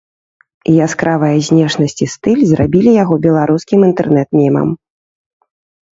Яскравая знешнасць і стыль зрабілі яго беларускім інтэрнэт-мемам.